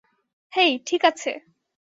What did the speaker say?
হেই, ঠিক আছে।